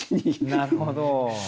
なるほど。